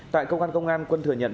tại công an công an quân thừa nhận